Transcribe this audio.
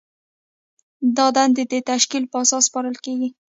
دا دندې د تشکیل په اساس سپارل کیږي.